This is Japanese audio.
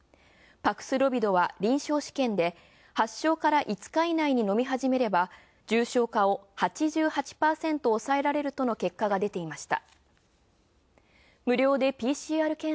パクスロビドは臨床試験で、発症から５日以内に飲めば重症化を８８％抑えられるとの結果が出ていました。